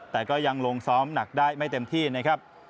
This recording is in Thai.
แต่ก็ยังลงซ้อมหนักได้ไม่เต็มที่นะครับ